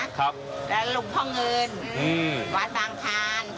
นี่คือสลัดผลไม้สลัดถัง